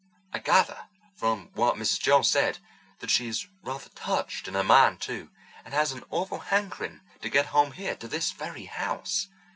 I gather from what Mrs. Joel said that she's rather touched in her mind too, and has an awful hankering to get home here—to this very house.